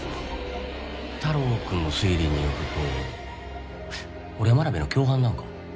太郎くんの推理によると俺は真鍋の共犯なんか？